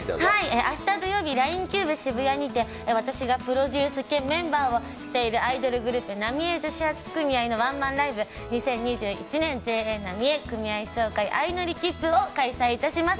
明日土曜日、ＬＩＮＥＣＵＢＥＳＨＩＢＵＹＡにて、私がプロデュース兼メンバーをしているアイドルグループ、浪江女子発組合のワンマンライブ「２０２１年ＪＡ浪江組合総会あいのりきっぷ」を開催いたします。